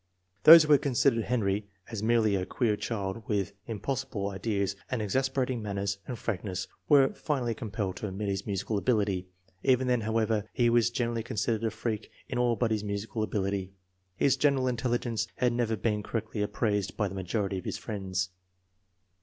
1 Those who had considered Henry as merely a queer child with impossible ideas and exasperating manners and frankness, were finally compelled to admit his musical ability. Even then, however, he was gener ally considered a freak in all but his musical ability. His general intelligence has never been correctly ap praised by the majority of his friends.